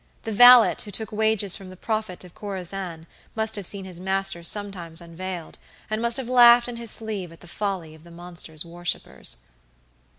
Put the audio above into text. The valet who took wages from the prophet of Korazin must have seen his master sometimes unveiled, and must have laughed in his sleeve at the folly of the monster's worshipers.